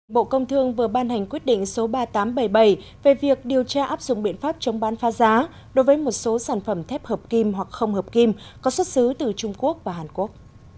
bộ công thương vừa ban hành quyết định số ba nghìn tám trăm bảy mươi bảy về việc điều tra áp dụng biện pháp chống bán phá giá đối với một số sản phẩm thép hợp kim hoặc không hợp kim có xuất xứ từ trung quốc và hàn quốc